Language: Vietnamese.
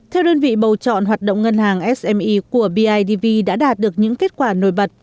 theo đơn vị bầu chọn hoạt động ngân hàng sme của bidv đã đạt được những kết quả nổi bật